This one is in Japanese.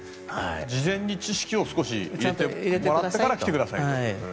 事前に知識を入れてもらってから来てくださいと。